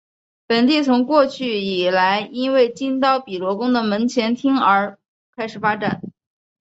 本地从过去以来是因为金刀比罗宫的门前町而开始发展。